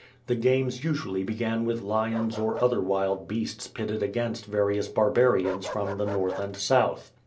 The games usually began with lions or other wild beasts pitted against various barbarians from the North and South.